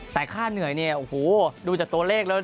แต่ค่าเหนื่อยเนี่ยโอ้โหดูจากตัวเลขแล้ว